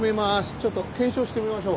ちょっと検証してみましょう。